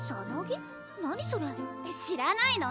それ知らないの？